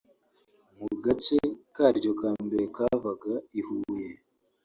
mu gace karyo ka mbere kavaga i Huye